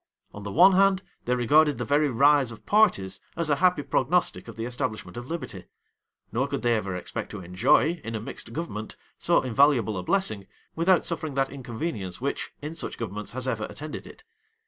On the one hand, they regarded the very rise of parties as a happy prognostic of the establishment of liberty; nor could they ever expect to enjoy, in a mixed government, so invaluable a blessing, without suffering that inconvenience which, in such governments, has ever attended it.